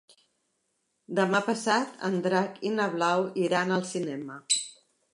Demà passat en Drac i na Blau iran al cinema.